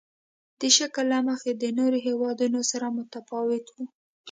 د شکل له مخې له نورو هېوادونو سره متفاوت وو.